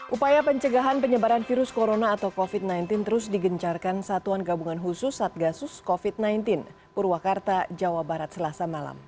upaya pencegahan penyebaran virus corona atau covid sembilan belas terus digencarkan satuan gabungan khusus satgasus covid sembilan belas purwakarta jawa barat selasa malam